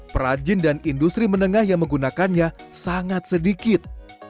perajin dan industri menengah yang menggunakannya sangat sedikit